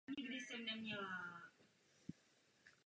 Hlas mu propůjčil Phil Hartman.